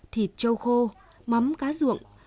thịt trâu khô mắm cá ruộng